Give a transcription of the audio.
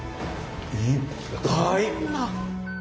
いっぱい！